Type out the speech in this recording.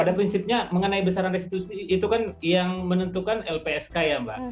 pada prinsipnya mengenai besaran restitusi itu kan yang menentukan lpsk ya mbak